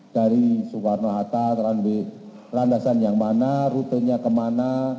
dari soekarno hatta randasan yang mana rutenya kemana